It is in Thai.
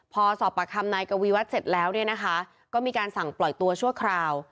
พอสอบปากคำนายกวีวัฒน์เสร็จแล้วเนี่ยนะคะก็มีการสั่งปล่อยตัวชั่วคราว